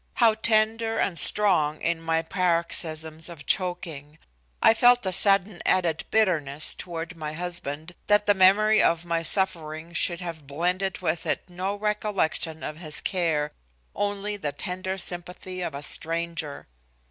How tender and strong in my paroxysms of choking! I felt a sudden added bitterness toward my husband that the memory of my suffering should have blended with it no recollection of his care, only the tender sympathy of a stranger.